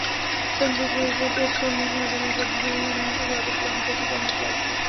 Saint Lucia টেস্টসহ মোট নয়বার ম্যাচের দুই ইনিংসেই সর্বোচ্চ রান করেছেন চন্দরপল।